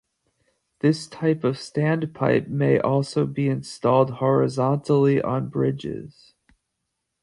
This type of standpipe may also be installed horizontally on bridges.